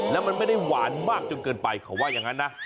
แล้วมันไม่ได้หวานมากจนเกินไปเขาว่าอย่างนั้นนะ